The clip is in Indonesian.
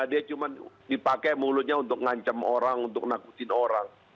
dia cuma dipakai mulutnya untuk ngancam orang untuk nakutin orang